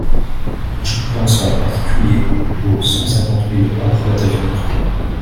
Je pense en particulier aux cent cinquante mille emplois d’avenir.